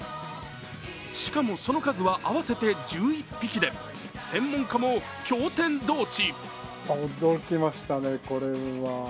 しかも、その数は合わせて１１匹で専門家も驚天動地。